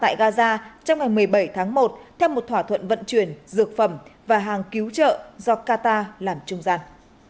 chuyến hàng viện trợ thuốc chữa bệnh sẽ có mặt tại gaza trong ngày một mươi bảy tháng một theo một thỏa thuận vận chuyển dược phẩm và hàng cứu trợ do qatar làm trung gian